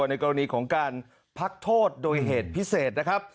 ในกรณีของการพักโทษโดยเหตุพิเศษนะครับ